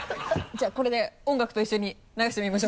じゃあこれで音楽と一緒に流してみましょうか。